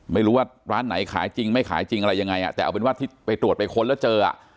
ไม่รู้ว่าร้านไหนขายจริงไม่ขายจริงอะไรยังไงอ่ะแต่เอาเป็นว่าที่ไปตรวจไปค้นแล้วเจออ่ะ